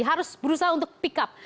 harus berusaha untuk pick up